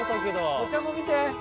お茶も見て。